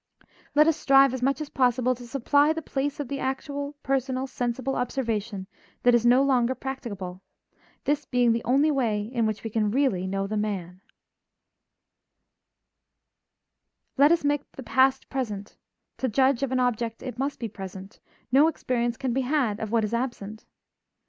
Let us strive as much as possible to supply the place of the actual, personal, sensible observation that is no longer practicable, this being the only way in which we can really know the man; let us make the past present; to judge of an object it must be present; no experience can be had of what is absent.